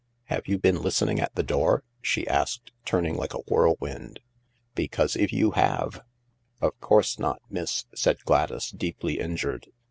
" Have you been listening at the door ?" she asked, turning like a whirlwind. " Because if you have •, 214 THE LARK " Of course not, miss," said Gladys, deeply injured.